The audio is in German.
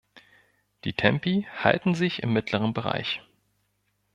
Die Tempi halten sich im mittleren Bereich.